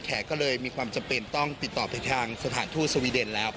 ก็เลยมีความจำเป็นต้องติดต่อไปทางสถานทูตสวีเดนแล้ว